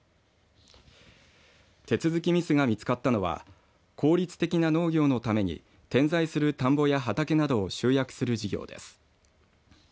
手続きミスが見つかったのは効率的な農業のために点在する田んぼや畑など集約する事業です。